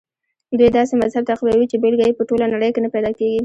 دوی داسې مذهب تعقیبوي چې بېلګه یې په ټوله نړۍ کې نه پیدا کېږي.